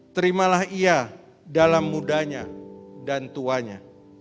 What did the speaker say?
terimalah ia dalam mudanya dan tuanya